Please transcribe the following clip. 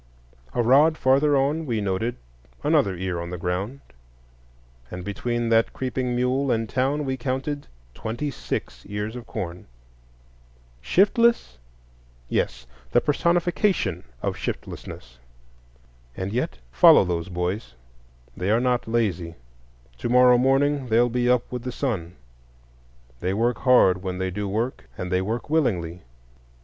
A rod farther on we noted another ear on the ground; and between that creeping mule and town we counted twenty six ears of corn. Shiftless? Yes, the personification of shiftlessness. And yet follow those boys: they are not lazy; to morrow morning they'll be up with the sun; they work hard when they do work, and they work willingly.